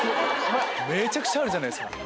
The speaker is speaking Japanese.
めちゃくちゃあるじゃないですか。